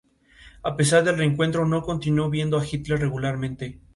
Actualmente en sus tierras hay unas canteras.